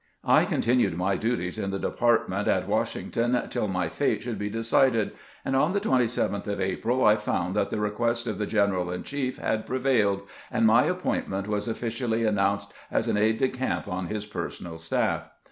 I continued my duties in the department at Washing ton tm my fate should be decided, and on the 27th of April I found that the request of the general in chief had prevailed, and my appointment was officially an nounced as an aide de camp on his personal staff.